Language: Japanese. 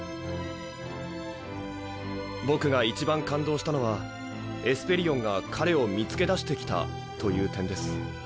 僕が一番感動したのはエスペリオンが彼を見つけ出してきたという点です。